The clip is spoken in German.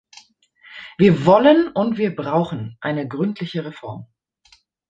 Wir wollen und wir brauchen eine gründliche Reform.